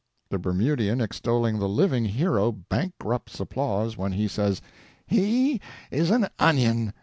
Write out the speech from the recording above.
The Bermudian extolling the living hero bankrupts applause when he says, "He is an onion!"